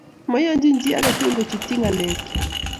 Maiyanji chi age tugul kochutyi ngalek chi